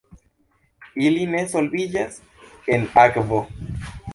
Ili ne solviĝas en akvo.